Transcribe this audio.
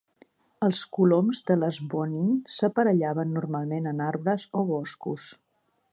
Els coloms de les Bonin s'aparellaven normalment en arbres o boscos.